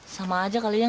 sama aja kali yang